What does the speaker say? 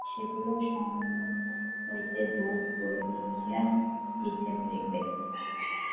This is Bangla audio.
সেগুলিকে সম্মুখ হইতে দূর করিয়া দিতে হইবে।